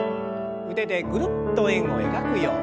腕でぐるっと円を描くように。